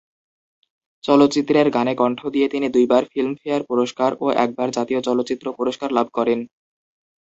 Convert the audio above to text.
চলচ্চিত্রের গানে কণ্ঠ দিয়ে তিনি দুইবার ফিল্মফেয়ার পুরস্কার ও একবার জাতীয় চলচ্চিত্র পুরস্কার লাভ করেন।